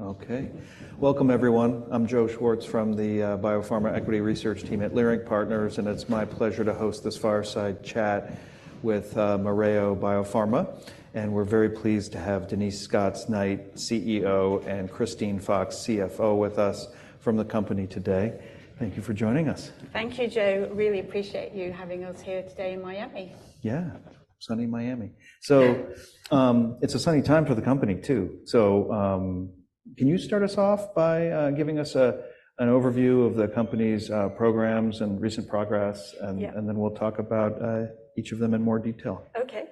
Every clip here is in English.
Okay. Welcome, everyone. I'm Joseph Schwartz from the Biopharma Equity Research Team at Leerink Partners, and it's my pleasure to host this fireside chat with Mereo BioPharma. And we're very pleased to have Denise Scots-Knight, CEO, and Christine Fox, CFO, with us from the company today. Thank you for joining us. Thank you, Joe. Really appreciate you having us here today in Miami. Yeah, sunny Miami. Yeah. So, it's a sunny time for the company, too. So, can you start us off by giving us an overview of the company's programs and recent progress? Yeah. And then we'll talk about each of them in more detail. Okay.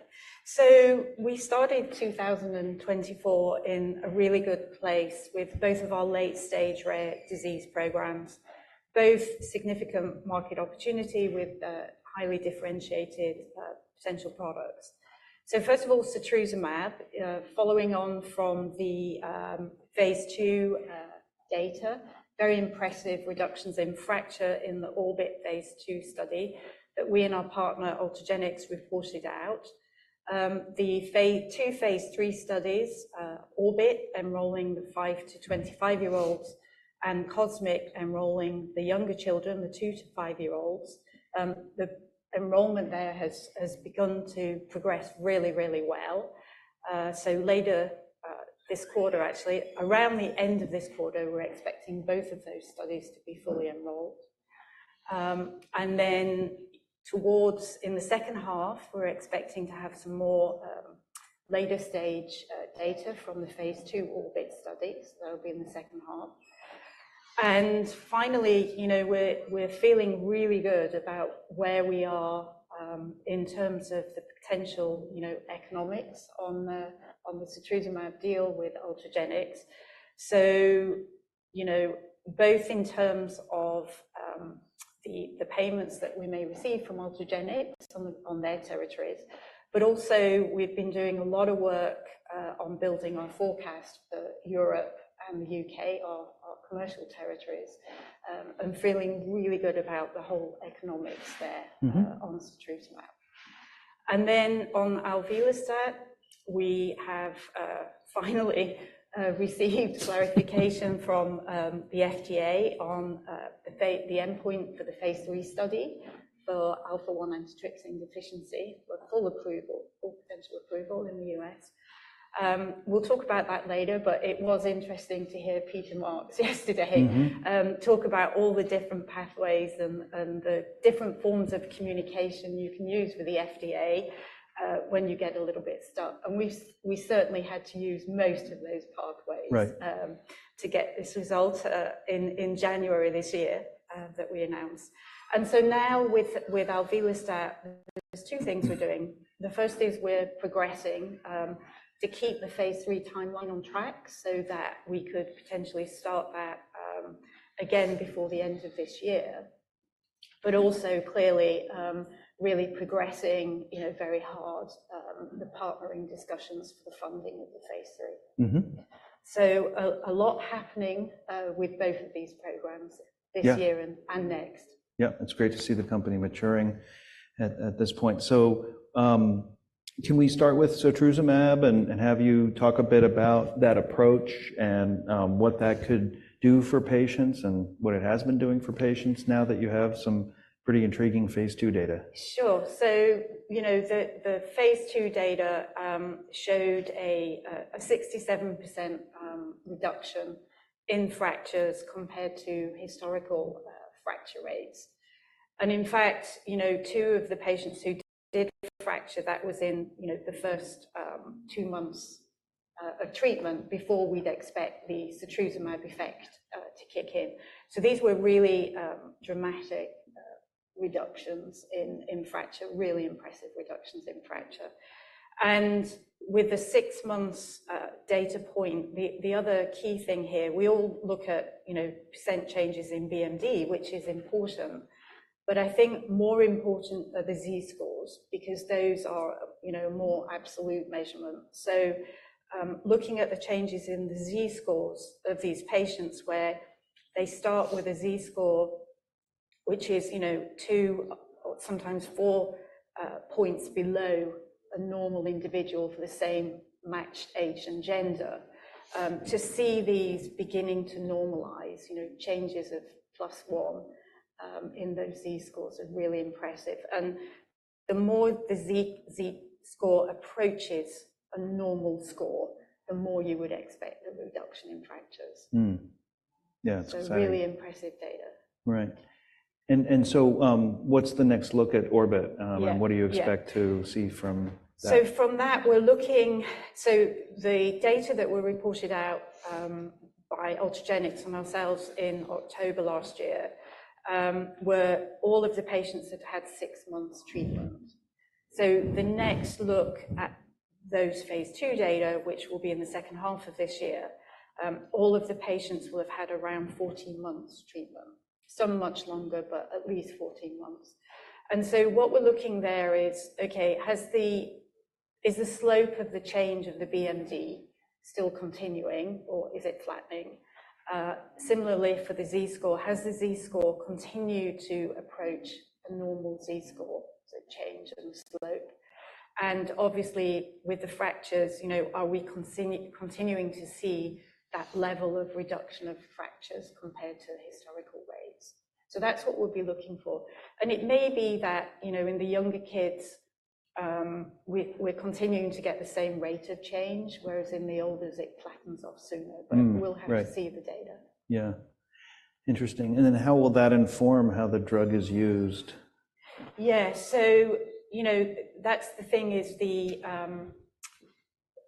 So we started 2024 in a really good place with both of our late-stage rare disease programs, both significant market opportunity with highly differentiated potential products. So first of all, setrusumab, following on from the phase II data, very impressive reductions in fracture in the ORBIT phase II study that we and our partner, Ultragenyx, reported out. The phase II, phase III studies, ORBIT, enrolling the 5 to 25-year-olds, and COSMIC, enrolling the younger children, the 2 to 5-year-olds. The enrollment there has begun to progress really, really well. So later this quarter, actually, around the end of this quarter, we're expecting both of those studies to be fully enrolled. And then towards in the second half, we're expecting to have some more later-stage data from the phase II ORBIT studies. That will be in the H2. And finally, you know, we're feeling really good about where we are in terms of the potential, you know, economics on the setrusumab deal with Ultragenyx. So, you know, both in terms of the payments that we may receive from Ultragenyx on their territories, but also, we've been doing a lot of work on building our forecast for Europe and the U.K., our commercial territories, and feeling really good about the whole economics there. Mm-hmm... on setrusumab. And then on alvelestat, we have finally received clarification from the FDA on the endpoint for the phase III study for alpha-1 antitrypsin deficiency, for full approval, or potential approval in the U.S. We'll talk about that later, but it was interesting to hear Peter Marks yesterday- Mm-hmm... talk about all the different pathways and the different forms of communication you can use with the FDA, when you get a little bit stuck. And we certainly had to use most of those pathways- Right... to get this result, in January this year, that we announced. And so now with alvelestat, there's two things we're doing. The first is we're progressing, to keep the phase III timeline on track so that we could potentially start that, again before the end of this year, but also clearly, really progressing, you know, very hard, the partnering discussions for the funding of the phase III. Mm-hmm. So, a lot happening with both of these programs. Yeah... this year and next. Yeah. It's great to see the company maturing at this point. So, can we start with setrusumab and have you talk a bit about that approach and what that could do for patients and what it has been doing for patients now that you have some pretty intriguing phase II data? Sure. So, you know, the phase II data showed a 67% reduction in fractures compared to historical fracture rates. And in fact, you know, two of the patients who did fracture, that was in the first two months of treatment before we'd expect the setrusumab effect to kick in. So these were really dramatic reductions in fracture, really impressive reductions in fracture. And with the six months data point, the other key thing here, we all look at percent changes in BMD, which is important, but I think more important are the Z-scores because those are more absolute measurements. So, looking at the changes in the Z-scores of these patients, where they start with a Z-score, which is, you know, 2, or sometimes 4, points below a normal individual for the same matched age and gender, to see these beginning to normalize, you know, changes of +1 in those Z-scores are really impressive. And the more the Z, Z-score approaches a normal score, the more you would expect a reduction in fractures. Mm. Yeah, it's exciting. Really impressive data. Right. And so, what's the next look at ORBIT? Yeah... and what do you expect to see from that? So from that, we're looking. So the data that were reported out by Ultragenyx and ourselves in October last year were all of the patients that had 6 months treatment. So the next look at those phase II data, which will be in the H2 of this year, all of the patients will have had around 14 months treatment. Some much longer, but at least 14 months. And so what we're looking there is, okay, has the slope of the change of the BMD still continuing, or is it flattening? Similarly for the Z-score, has the Z-score continued to approach a normal Z-score, so change in slope? And obviously, with the fractures, you know, are we continuing to see that level of reduction of fractures compared to the historical rates? So that's what we'll be looking for. It may be that, you know, in the younger kids, we're continuing to get the same rate of change, whereas in the olders, it flattens off sooner. Mm. Right. But we'll have to see the data. Yeah. Interesting. And then how will that inform how the drug is used? Yeah, so, you know, that's the thing is the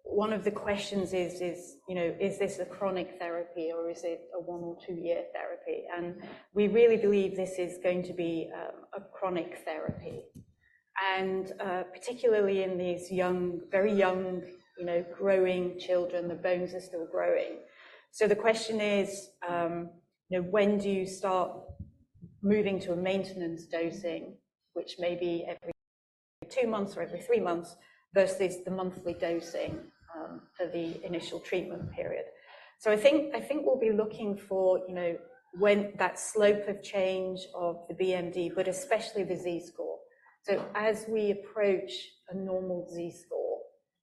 one of the questions is, you know, is this a chronic therapy or is it a one or two-year therapy? And we really believe this is going to be a chronic therapy, and particularly in these young, very young, you know, growing children, the bones are still growing. So the question is, you know, when do you start moving to a maintenance dosing, which may be every two months or every three months, versus the monthly dosing for the initial treatment period. So I think, I think we'll be looking for, you know, when that slope of change of the BMD, but especially the Z-score. So as we approach a normal Z-score,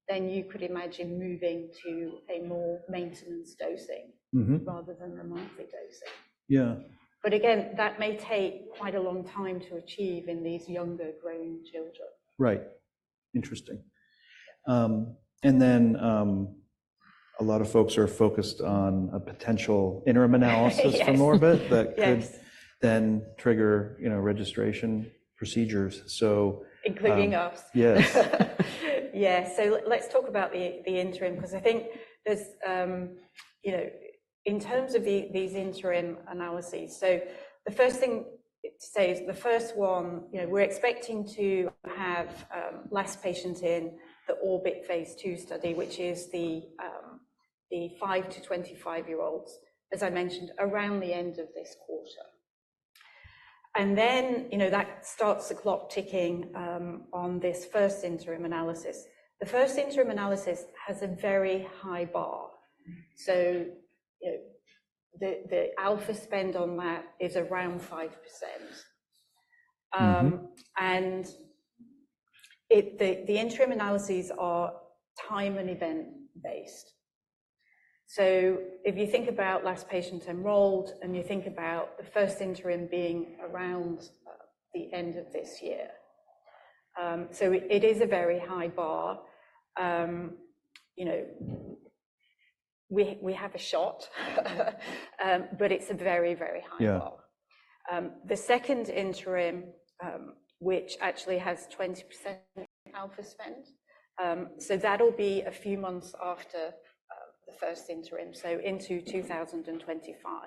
then you could imagine moving to a more maintenance dosing- Mm-hmm... rather than the monthly dosing. Yeah. But again, that may take quite a long time to achieve in these younger growing children. Right. Interesting. And then, a lot of folks are focused on a potential interim analysis- Yes... for ORBIT- Yes... that could then trigger, you know, registration procedures. So- Including us. Yes. Yeah. So let's talk about the interim, 'cause I think there's, you know, in terms of these interim analyses, so the first thing to say is the first one, you know, we're expecting to have last patient in the ORBIT phase II study, which is the 5 to 25-year-olds, as I mentioned, around the end of this quarter. And then, you know, that starts the clock ticking on this first interim analysis. The first interim analysis has a very high bar. Mm-hmm. you know, the alpha spend on that is around 5%. Mm-hmm. And the interim analyses are time and event-based. So if you think about last patient enrolled, and you think about the first interim being around the end of this year, so it is a very high bar. You know, we have a shot, but it's a very, very high bar. Yeah. The second interim, which actually has 20% alpha spend, so that'll be a few months after the first interim, so into 2025.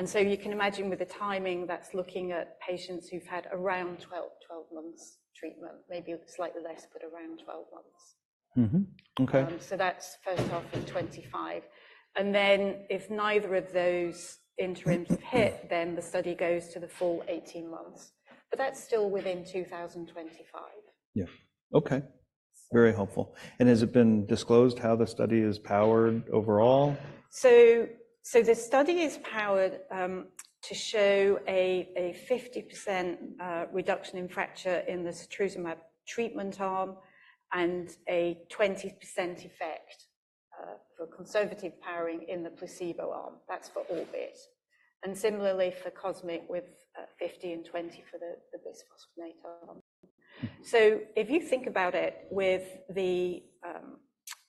And so you can imagine with the timing, that's looking at patients who've had around 12, 12 months treatment, maybe slightly less, but around 12 months. Mm-hmm. Okay. So that's first half of 2025. And then if neither of those interims hit, then the study goes to the full 18 months, but that's still within 2025. Yeah. Okay. Very helpful. And has it been disclosed how the study is powered overall? So, the study is powered to show a 50% reduction in fracture in the setrusumab treatment arm and a 20% effect for conservative powering in the placebo arm. That's for ORBIT. And similarly for COSMIC, with 50 and 20 for the bisphosphonate arm. So if you think about it with the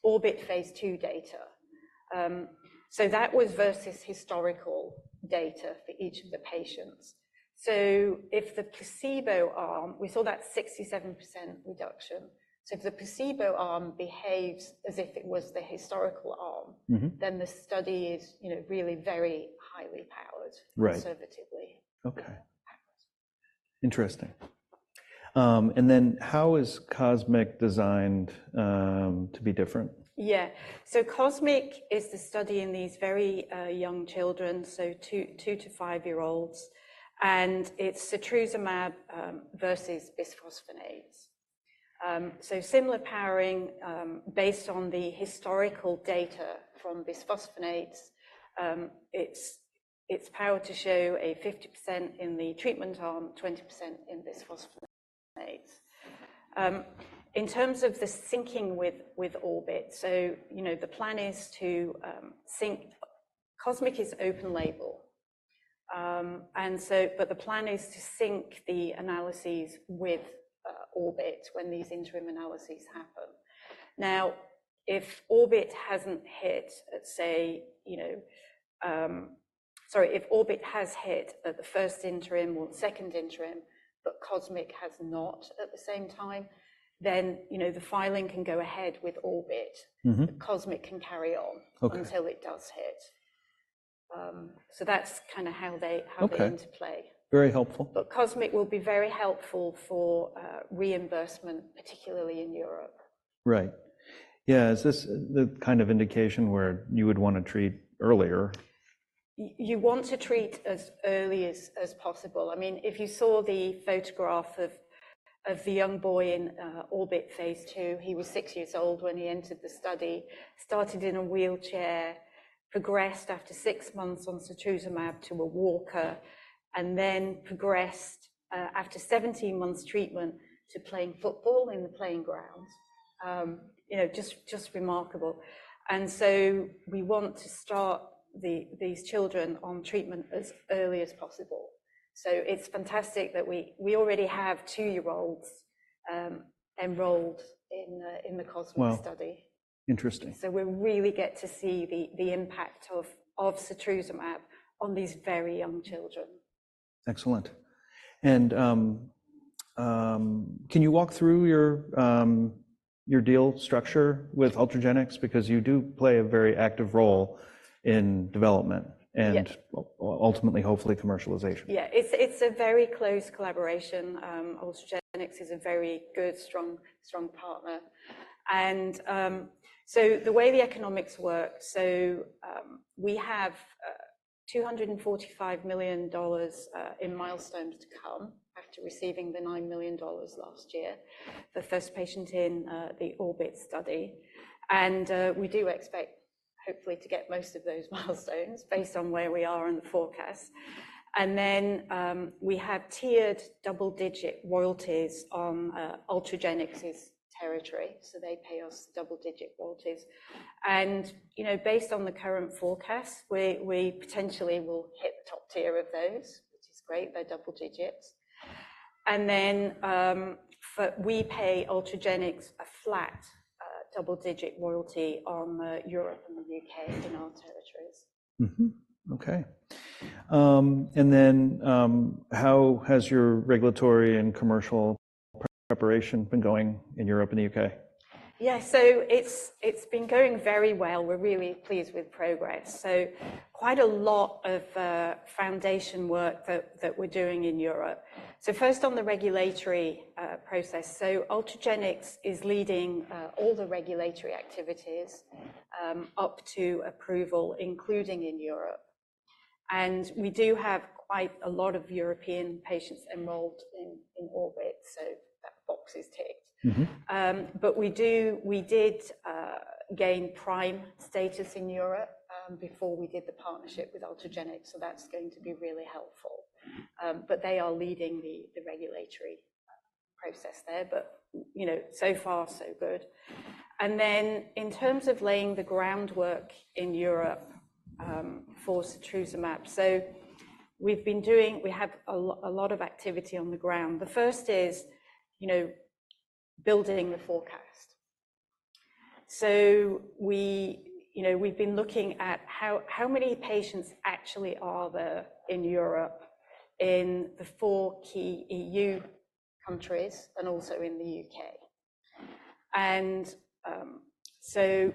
ORBIT phase II data, so that was versus historical data for each of the patients. So if the placebo arm... We saw that 67% reduction. So if the placebo arm behaves as if it was the historical arm- Mm-hmm ...then the study is, you know, really very highly powered- Right - conservatively. Okay. Interesting. And then how is COSMIC designed to be different? Yeah. So COSMIC is the study in these very young children, so 2 to 5-year-olds, and it's setrusumab versus bisphosphonates. So similar powering, based on the historical data from bisphosphonates. It's powered to show 50% in the treatment arm, 20% in bisphosphonates. In terms of the syncing with ORBIT, so, you know, the plan is to sync. COSMIC is open label. And so, but the plan is to sync the analyses with ORBIT when these interim analyses happen. Now, if ORBIT hasn't hit at, say, you know... Sorry, if ORBIT has hit at the first interim or second interim, but COSMIC has not at the same time, then, you know, the filing can go ahead with ORBIT. Mm-hmm. COSMIC can carry on- Okay... until it does hit. So that's kinda how they- Okay... interplay. Very helpful. But COSMIC will be very helpful for reimbursement, particularly in Europe. Right. Yeah, is this the kind of indication where you would wanna treat earlier? ... You want to treat as early as possible. I mean, if you saw the photograph of the young boy in ORBIT phase II, he was six years old when he entered the study. Started in a wheelchair, progressed after six months on setrusumab to a walker, and then progressed after 17 months treatment to playing football in the playground. You know, just, just remarkable. And so we want to start these children on treatment as early as possible. So it's fantastic that we already have two-year-olds enrolled in the COSMIC study. Wow. Interesting. So we really get to see the impact of setrusumab on these very young children. Excellent. And, can you walk through your deal structure with Ultragenyx? Because you do play a very active role in development. Yeah... and ultimately, hopefully commercialization. Yeah. It's a very close collaboration. Ultragenyx is a very good, strong, strong partner. And, so the way the economics work, we have $245 million in milestones to come after receiving the $9 million last year, the first patient in the ORBIT study. And, we do expect hopefully to get most of those milestones based on where we are in the forecast. And then, we have tiered double-digit royalties on Ultragenyx's territory, so they pay us double-digit royalties. And, you know, based on the current forecast, we potentially will hit the top tier of those, which is great, they're double digits. And then, but we pay Ultragenyx a flat double-digit royalty on Europe and the U.K. in our territories. Mm-hmm. Okay. And then, how has your regulatory and commercial preparation been going in Europe and the UK? Yeah. So it's been going very well. We're really pleased with progress. So quite a lot of foundation work that we're doing in Europe. So first on the regulatory process. So Ultragenyx is leading all the regulatory activities up to approval, including in Europe. And we do have quite a lot of European patients enrolled in ORBIT, so that box is ticked. Mm-hmm. But we did gain PRIME status in Europe before we did the partnership with Ultragenyx, so that's going to be really helpful. Mm. But they are leading the regulatory process there, but, you know, so far, so good. And then in terms of laying the groundwork in Europe, for setrusumab, so we've been doing—we have a lot of activity on the ground. The first is, you know, building the forecast. So we, you know, we've been looking at how many patients actually are there in Europe, in the four key EU countries and also in the U.K.? And, so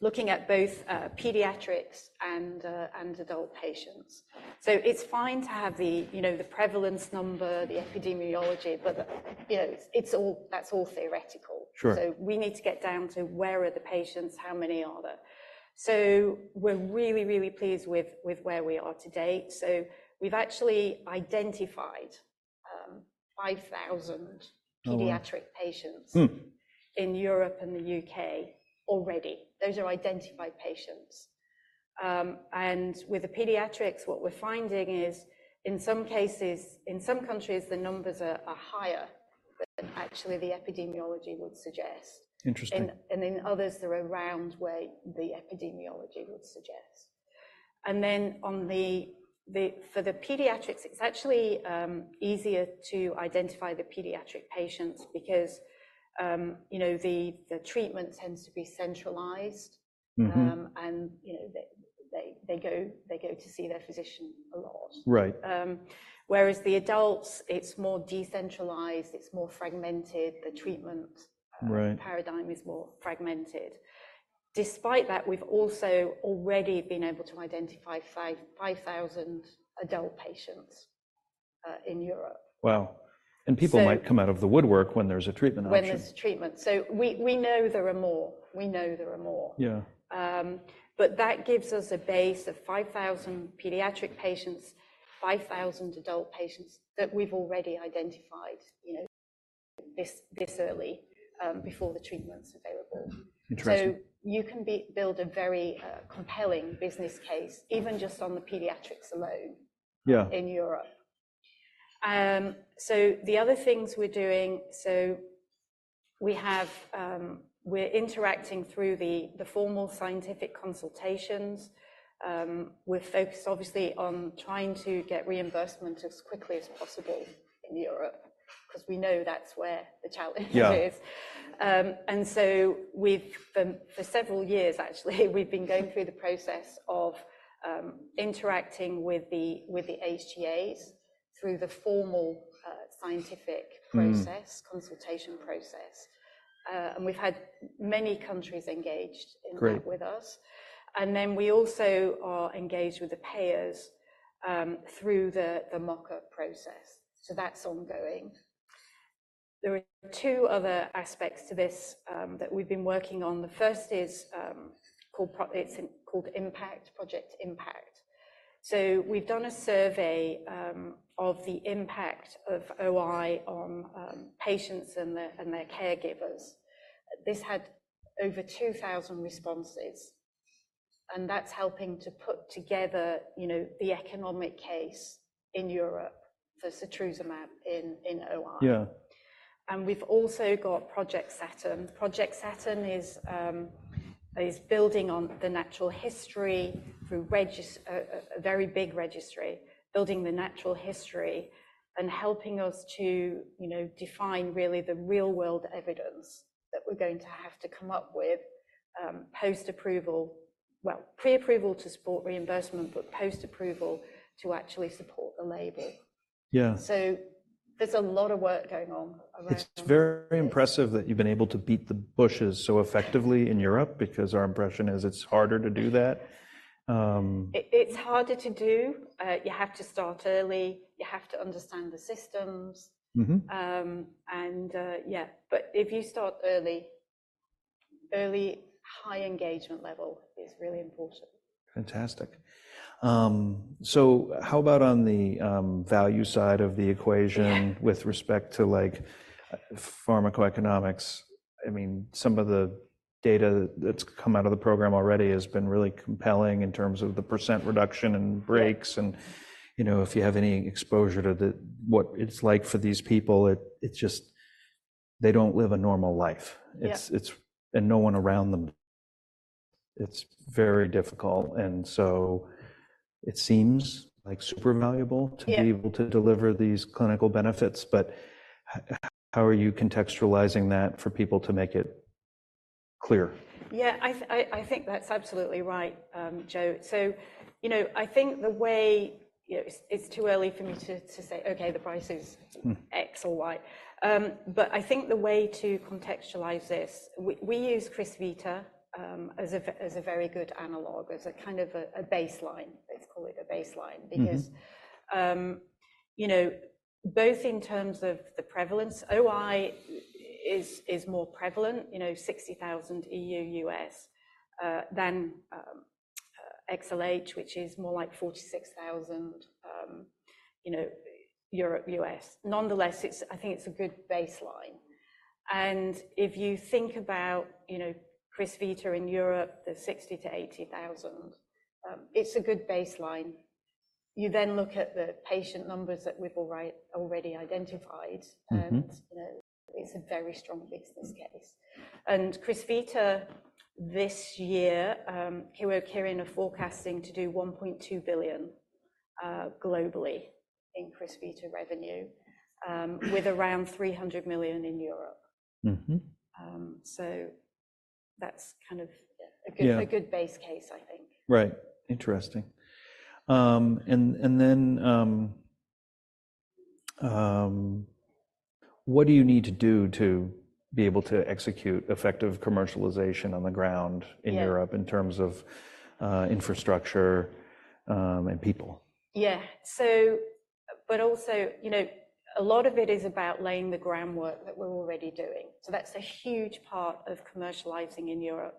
looking at both pediatrics and adult patients. So it's fine to have the, you know, the prevalence number, the epidemiology, but, you know, it's all—that's all theoretical. Sure. So we need to get down to: where are the patients? How many are there? So we're really, really pleased with, with where we are to date. So we've actually identified 5,000- Oh, wow! -pediatric patients- Hmm... in Europe and the U.K. already. Those are identified patients. With the pediatrics, what we're finding is, in some cases, in some countries, the numbers are higher than actually the epidemiology would suggest. Interesting. And in others, they're around where the epidemiology would suggest. And then, for the pediatrics, it's actually easier to identify the pediatric patients because, you know, the treatment tends to be centralized- Mm-hmm... and, you know, they go to see their physician a lot. Right. Whereas the adults, it's more decentralized, it's more fragmented, the treatment- Right... paradigm is more fragmented. Despite that, we've also already been able to identify 5,000 adult patients in Europe. Wow! So- People might come out of the woodwork when there's a treatment option. When there's treatment. So we know there are more. We know there are more. Yeah. But that gives us a base of 5,000 pediatric patients, 5,000 adult patients that we've already identified, you know, this, this early, before the treatment's available. Interesting. So you can build a very compelling business case, even just on the pediatrics alone. Yeah... in Europe. So the other things we're doing, so we have, we're interacting through the formal scientific consultations. We're focused obviously on trying to get reimbursement as quickly as possible in Europe, 'cause we know that's where the challenge is. Yeah. And so, for several years actually, we've been going through the process of interacting with the HTAs through the formal scientific process. Mm... consultation process. And we've had many countries engaged- Great... in that with us. And then we also are engaged with the payers through the MOCA process. So that's ongoing.... There are two other aspects to this that we've been working on. The first is called Impact, Project Impact. So we've done a survey of the impact of OI on patients and their caregivers. This had over 2,000 responses, and that's helping to put together, you know, the economic case in Europe for setrusumab in OI. Yeah. And we've also got Project Saturn. Project Saturn is building on the natural history through a very big registry, building the natural history and helping us to, you know, define really the real-world evidence that we're going to have to come up with, post-approval. Well, pre-approval to support reimbursement, but post-approval to actually support the label. Yeah. There's a lot of work going on around- It's very impressive that you've been able to beat the bushes so effectively in Europe, because our impression is it's harder to do that. It, it's harder to do. You have to start early, you have to understand the systems. Mm-hmm. Yeah, but if you start early, early high engagement level is really important. Fantastic. So how about on the value side of the equation? Yeah... with respect to, like, pharmacoeconomics? I mean, some of the data that's come out of the program already has been really compelling in terms of the % reduction in breaks- Yeah... and, you know, if you have any exposure to what it's like for these people, it's just they don't live a normal life. Yeah. It's and no one around them. It's very difficult, and so it seems, like, super valuable. Yeah... to be able to deliver these clinical benefits. But how are you contextualizing that for people to make it clear? Yeah, I think that's absolutely right, Joe. So, you know, I think the way... You know, it's too early for me to say, "Okay, the price is- Mm... X or Y." But I think the way to contextualize this, we use Crysvita as a very good analog, as a kind of a baseline. Let's call it a baseline- Mm-hmm... because, you know, both in terms of the prevalence, OI is more prevalent, you know, 60,000 EU/US, than XLH, which is more like 46,000, you know, Europe, US. Nonetheless, it's, I think it's a good baseline, and if you think about, you know, Crysvita in Europe, the 60,000-80,000, it's a good baseline. You then look at the patient numbers that we've already identified- Mm-hmm... and, it's a very strong business case. Mm. And Crysvita, this year, Kyowa Kirin are forecasting to do $1.2 billion globally in Crysvita revenue, with around $300 million in Europe. Mm-hmm. That's kind of a good- Yeah... a good base case, I think. Right. Interesting. And then, what do you need to do to be able to execute effective commercialization on the ground- Yeah... in Europe in terms of, infrastructure, and people? Yeah. So but also, you know, a lot of it is about laying the groundwork that we're already doing. So that's a huge part of commercializing in Europe.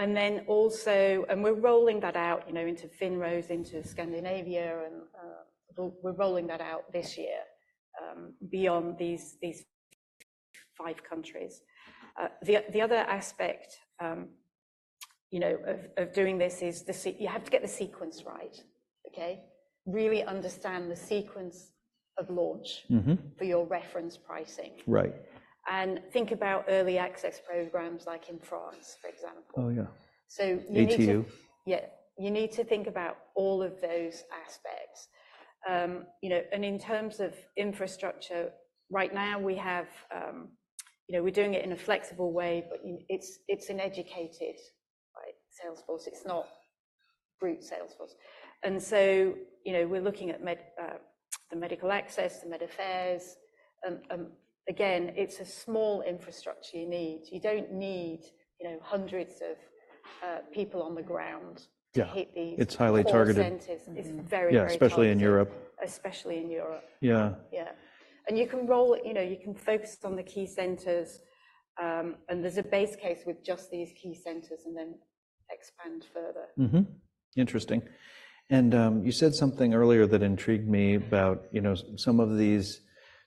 And then also, and we're rolling that out, you know, into France, into Scandinavia, and we're rolling that out this year, beyond these five countries. The other aspect, you know, of doing this is the. You have to get the sequence right, okay? Really understand the sequence of launch- Mm-hmm... for your reference pricing. Right. Think about early access programs like in France, for example. Oh, yeah. So you need to- ATU. Yeah. You need to think about all of those aspects. You know, and in terms of infrastructure, right now we have. You know, we're doing it in a flexible way, but it's an educated, right, sales force. It's not brute sales force. And so, you know, we're looking at med, the medical access, the med affairs. Again, it's a small infrastructure you need. You don't need, you know, hundreds of people on the ground- Yeah... to hit these- It's highly targeted.... core centers. Mm-hmm. It's very, very targeted. Yeah, especially in Europe. Especially in Europe. Yeah. Yeah. And you can roll, you know, you can focus on the key centers, and there's a base case with just these key centers, and then expand further. Mm-hmm. Interesting. And, you said something earlier that intrigued me about, you know, some of these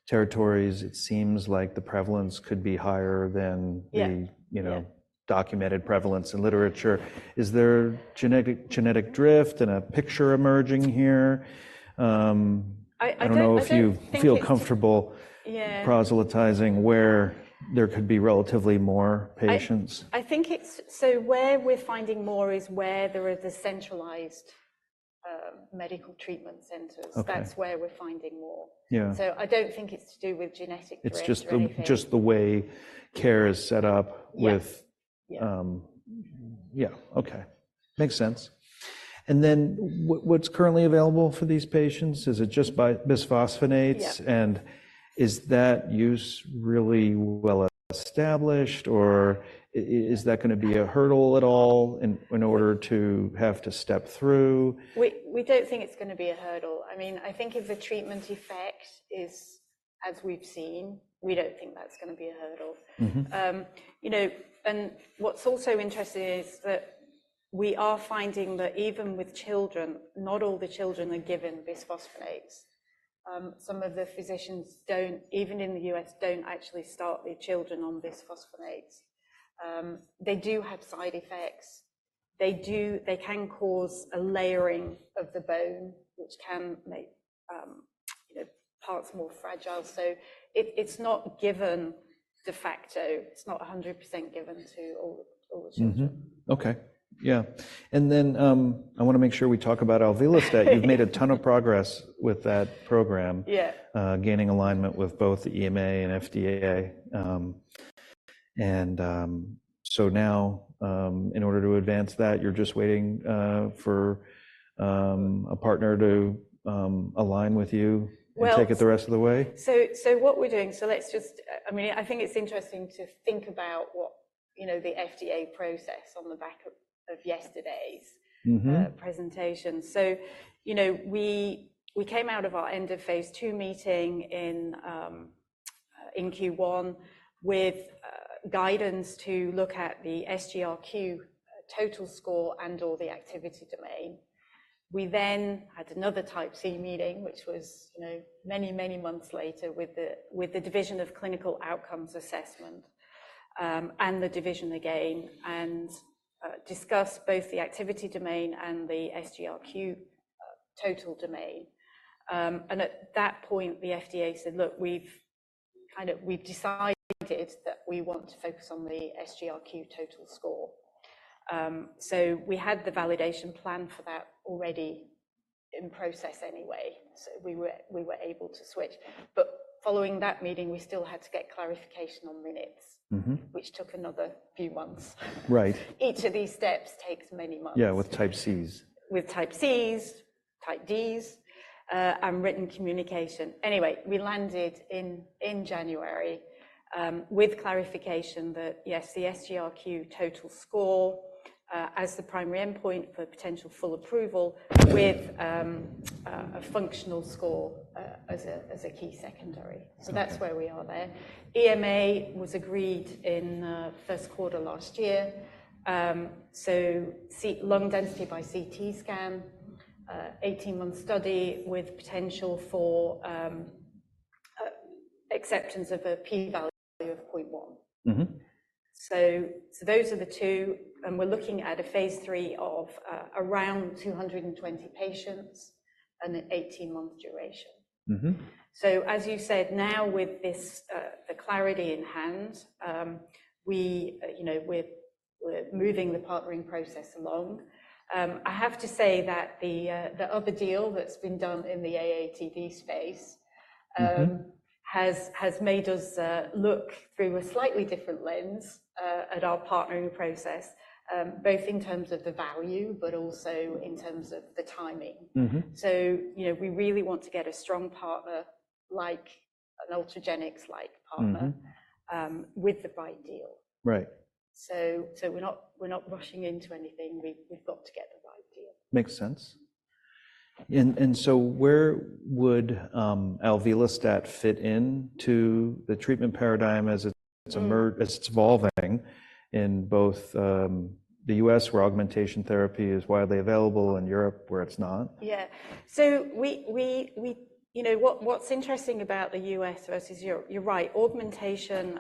territories, it seems like the prevalence could be higher than- Yeah... the, you know- Yeah... documented prevalence in literature. Is there genetic drift and a picture emerging here? I don't think it- I don't know if you feel comfortable- Yeah... prioritizing where there could be relatively more patients. So where we're finding more is where there are the centralized medical treatment centers. Okay. That's where we're finding more. Yeah. I don't think it's to do with genetic drift or anything. It's just the way care is set up with- Yeah. Yeah. Yeah, okay. Makes sense. And then what's currently available for these patients? Is it just bisphosphonates? Yeah... and is that use really well established, or is that gonna be a hurdle at all in order to have to step through? We don't think it's gonna be a hurdle. I mean, I think if the treatment effect is as we've seen, we don't think that's gonna be a hurdle. Mm-hmm. You know, what's also interesting is that we are finding that even with children, not all the children are given bisphosphonates. Some of the physicians don't, even in the U.S., actually start their children on bisphosphonates. They do have side effects. They can cause a layering of the bone, which can make, you know, parts more fragile. So it's not given de facto. It's not 100% given to all the children. Mm-hmm. Okay, yeah. And then, I wanna make sure we talk about alvelestat. Yeah. You've made a ton of progress with that program- Yeah... gaining alignment with both the EMA and FDA. In order to advance that, you're just waiting for a partner to align with you- Well- -and take it the rest of the way? I mean, I think it's interesting to think about what, you know, the FDA process on the back of yesterday's- Mm-hmm... presentation. So, you know, we came out of our end of phase II meeting in Q1 with guidance to look at the SGRQ total score and/or the activity domain. We then had another type C meeting, which was, you know, many, many months later with the Division of Clinical Outcomes Assessment and the division again, and discussed both the activity domain and the SGRQ total domain. And at that point, the FDA said, "Look, we've kind of... We've decided that we want to focus on the SGRQ total score." So we had the validation plan for that already in process anyway, so we were able to switch. But following that meeting, we still had to get clarification on minutes- Mm-hmm... which took another few months. Right. Each of these steps takes many months. Yeah, with type Cs. With type Cs, type Ds, and written communication. Anyway, we landed in January with clarification that, yes, the SGRQ total score as the primary endpoint for potential full approval with a functional score as a key secondary. Okay. So that's where we are there. EMA was agreed in Q1 last year. So CT lung density by CT scan, 18-month study with potential for acceptance of a p-value of 0.1. Mm-hmm. So, so those are the two, and we're looking at a phase III of around 220 patients and an 18-month duration. Mm-hmm. So, as you said, now with this, the clarity in hand, we, you know, we're moving the partnering process along. I have to say that the other deal that's been done in the AATD space- Mm-hmm ... has made us look through a slightly different lens at our partnering process, both in terms of the value, but also in terms of the timing. Mm-hmm. So, you know, we really want to get a strong partner, like an Ultragenyx-like partner- Mm-hmm... with the right deal. Right. So we're not rushing into anything. We've got to get the right deal. Makes sense. And so where would alvelestat fit into the treatment paradigm as it's evolving in both the U.S., where augmentation therapy is widely available, and Europe, where it's not? Yeah. So we... You know, what's interesting about the U.S. versus Europe, you're right, augmentation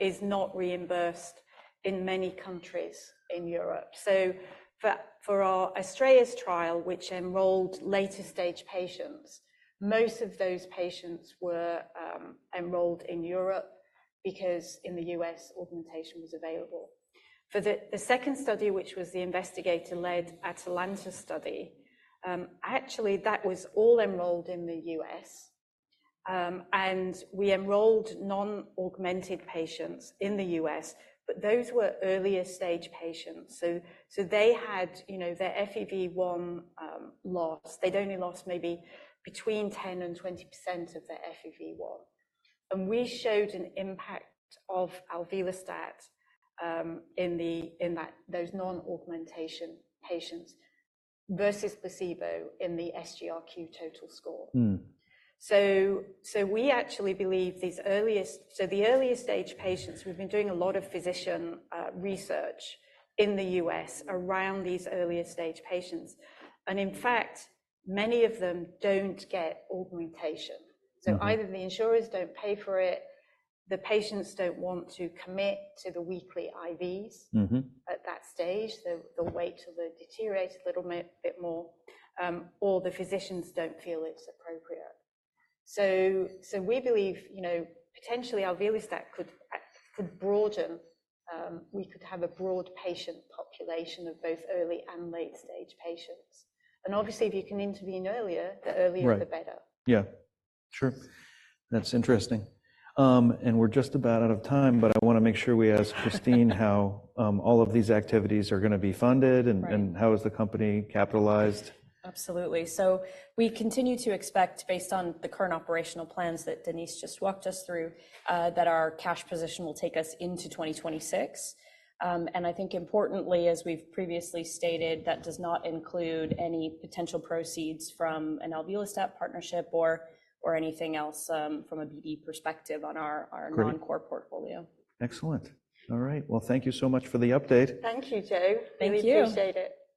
is not reimbursed in many countries in Europe. So for our ASTRAEUS trial, which enrolled later-stage patients, most of those patients were enrolled in Europe because in the U.S., augmentation was available. For the second study, which was the investigator-led ATALANTa study, actually, that was all enrolled in the U.S. And we enrolled non-augmented patients in the US, but those were earlier-stage patients. So they had, you know, their FEV1 loss. They'd only lost maybe between 10%-20% of their FEV1, and we showed an impact of alvelestat in that those non-augmentation patients versus placebo in the SGRQ total score. Mm. So we actually believe these earliest—so the earlier-stage patients, we've been doing a lot of physician research in the U.S. around these earlier-stage patients, and in fact, many of them don't get augmentation. Mm-hmm. So either the insurers don't pay for it, the patients don't want to commit to the weekly IVs- Mm-hmm... at that stage, so they'll wait till they've deteriorated a little bit more, or the physicians don't feel it's appropriate. So we believe, you know, potentially, alvelestat could broaden, we could have a broad patient population of both early and late-stage patients. And obviously, if you can intervene earlier, the earlier- Right... the better. Yeah. Sure. That's interesting. And we're just about out of time, but I wanna make sure we ask Christine how all of these activities are gonna be funded- Right... and how is the company capitalized? Absolutely. So we continue to expect, based on the current operational plans that Denise just walked us through, that our cash position will take us into 2026. And I think importantly, as we've previously stated, that does not include any potential proceeds from an alvelestat partnership or, or anything else, from a BE perspective on our, our- Great... non-core portfolio. Excellent. All right. Well, thank you so much for the update. Thank you, Joe. Thank you. We appreciate it.